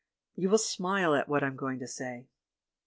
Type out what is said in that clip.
... You will smile at what I am going to say.